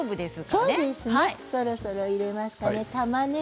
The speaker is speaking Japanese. そろそろ入れましょうかね